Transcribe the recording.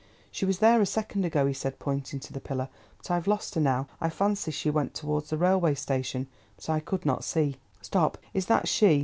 "She was there a second ago," he said, pointing to the pillar, "but I've lost her now—I fancy she went towards the railway station, but I could not see. Stop, is that she?"